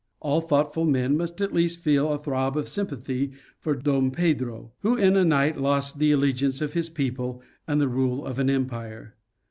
All thoughtful men must at least feel a throb of sympathy for Dom Pedro, who in a night lost the alle giance of his people and the rule of an empire.